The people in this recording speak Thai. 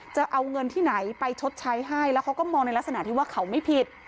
จะเอาเงินที่ไหนไปชดใช้ให้แล้วเขาก็มองในลักษณะที่ว่าเขาไม่ผิด